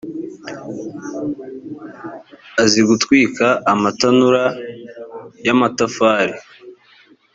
azi gutwika amatanura y’ amatafari .